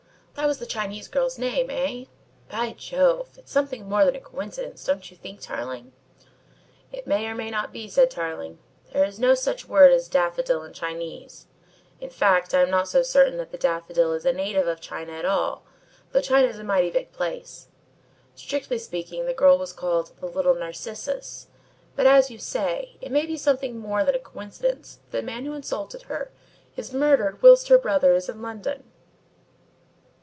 "That was the Chinese girl's name, eh? By Jove! It's something more than a coincidence, don't you think, Tarling?" "It may be or may not be," said Tarling; "there is no such word as daffodil in Chinese. In fact, I am not so certain that the daffodil is a native of China at all, though China's a mighty big place. Strictly speaking the girl was called 'The Little Narcissus,' but as you say, it may be something more than a coincidence that the man who insulted her, is murdered whilst her brother is in London."